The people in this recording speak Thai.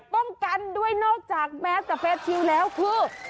ป้องกันด้วยนอกจากแมสกับเฟสชิลแล้วคือ